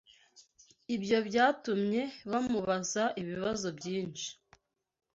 Ibyo byatumye bamubaza ibibazo byinshi